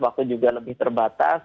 waktu juga lebih terbatas